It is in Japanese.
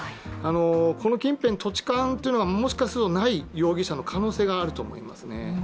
この近辺、土地勘というのはもしかするとない容疑者である可能性がありますね。